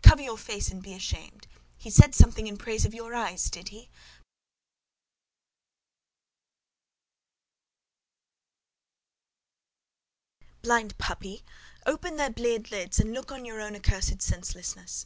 —Cover your face and be ashamed! He said something in praise of your eyes, did he? Blind puppy! Open their bleared lids and look on your own accursed senselessness!